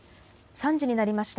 ３時になりました。